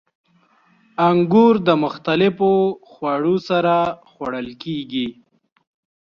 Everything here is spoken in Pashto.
• انګور د مختلفو خوړو سره خوړل کېږي.